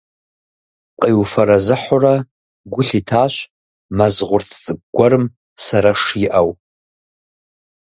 Къиуфэрэзыхьурэ гу лъитащ мэз гъурц цӀыкӀу гуэрым сэрэш иӀэу.